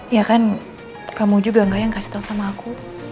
ya kan kamu juga enggak yang kasih tahu sama aku